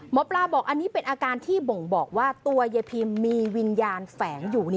หมอปลาบอกอันนี้เป็นอาการที่บ่งบอกว่าตัวยายพิมมีวิญญาณแฝงอยู่